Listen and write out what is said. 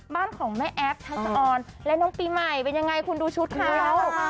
บ้านของแม่แอฟทักษะออนและน้องปีใหม่เป็นยังไงคุณดูชุดเขา